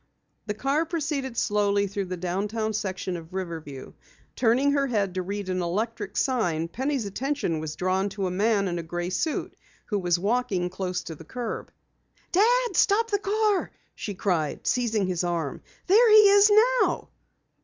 The car proceeded slowly through the downtown section of Riverview. Turning her head to read an electric sign, Penny's attention was drawn to a man in a gray suit who was walking close to the curb. "Dad, stop the car!" she cried, seizing his arm. "There he is now!"